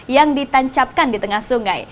yang ditancapkan di tengah sungai